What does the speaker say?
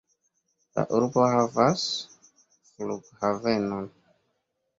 La urbo havas flughavenon.